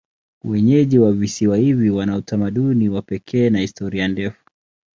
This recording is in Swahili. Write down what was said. Wenyeji wa visiwa hivi wana utamaduni wa pekee na historia ndefu.